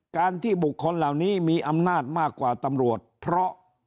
การที่บุคคลเหล่านี้มีอำนาจมากกว่าตำรวจเพราะ